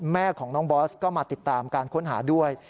แม่ของน้องบอสก็มาติดตามการค้นหาด้วย